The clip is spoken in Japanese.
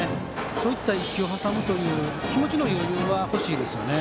そういった１球を挟む気持ちの余裕が欲しいです。